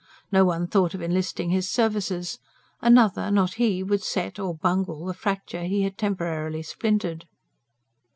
No one thought of enlisting his services; another, not he, would set (or bungle) the fracture he had temporarily splinted.